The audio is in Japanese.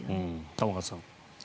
玉川さん。